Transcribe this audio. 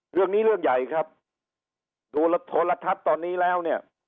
เรื่องนี้เรื่องใหญ่ครับดูโทรทัศน์ตอนนี้แล้วเนี่ย